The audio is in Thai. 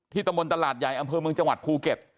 ตำบลตลาดใหญ่อำเภอเมืองจังหวัดภูเก็ต